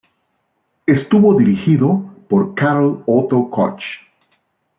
Estuvo dirigido por Karl Otto Koch.